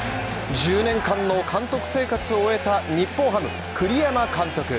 １０年間の監督生活を終えた日本ハム栗山監督